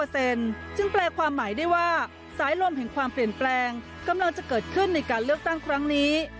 ซึ่งแปลความหมายได้ว่าสายลมแห่งความเปลี่ยนแปลงกำลังจะเกิดขึ้นในการเลือกตั้งครั้งนี้